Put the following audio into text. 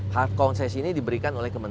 hak konsesi ini diberikan anggota pelabuhan umum